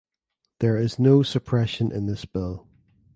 There is no suppression in this bill.